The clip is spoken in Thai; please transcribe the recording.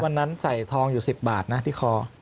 วันนั้นใส่ทองอยู่๑๐บาทนะที่คอ